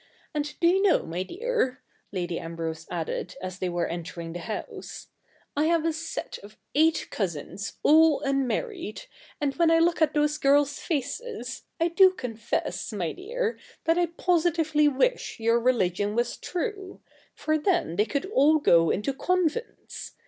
And do you know, my dear,' Lady Ambrose added as they were entering the house, ' I have a set of eight cousins, all unmarried ; and when I look at those girls' faces, I do confess, my dear, that I positively wish your religion was true ; for then they could all go into convents.